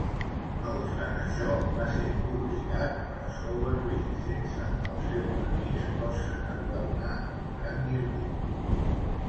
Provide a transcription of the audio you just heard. No obstant això, va ser publicat per Sowerby sense el seu permís, cosa que li va donar un gran disgust.